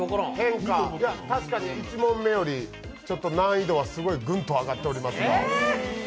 確かに１問目より難易度がグンと上がってますが。